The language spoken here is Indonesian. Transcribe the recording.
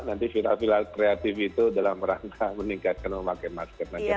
nanti viral viral kreatif itu dalam rangka meningkatkan memakai masker